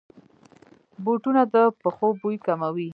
بوټونه د پښو بوی کموي.